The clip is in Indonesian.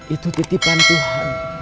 itu titipan tuhan